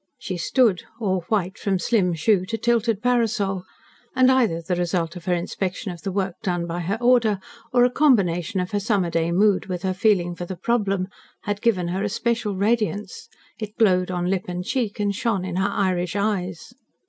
She stood all white from slim shoe to tilted parasol, and either the result of her inspection of the work done by her order, or a combination of her summer day mood with her feeling for the problem, had given her a special radiance. It glowed on lip and cheek, and shone in her Irish eyes.